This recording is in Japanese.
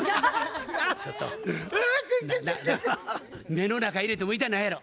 目の中入れても痛ないやろ？